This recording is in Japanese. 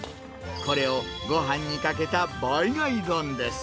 これをごはんにかけたバイ貝丼です。